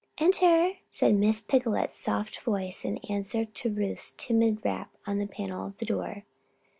"Enter!" said Miss Picolet's soft voice in answer to Ruth's timid rap on the panel of the door.